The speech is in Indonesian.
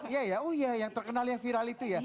iya ya oh iya yang terkenal yang viral itu ya